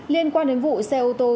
liên quan đến vụ xe ô tô